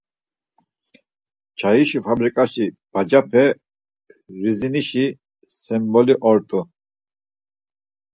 Çayişi fabriǩaşi bacape Rizinişi semboli ort̆u.